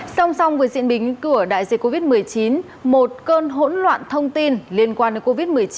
song song với diện bình cửa đại dịch covid một mươi chín một cơn hỗn loạn thông tin liên quan đến covid một mươi chín